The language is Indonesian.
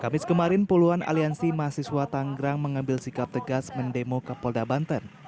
kamis kemarin puluhan aliansi mahasiswa tanggerang mengambil sikap tegas mendemo kapolda banten